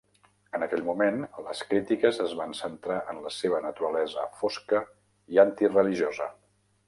En aquell moment, les crítiques es van centrar en la seva naturalesa fosca i antireligiosa.